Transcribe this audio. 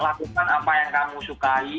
lakukan apa yang kamu sukai